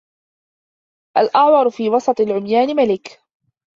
الأعور في وسط العميان ملك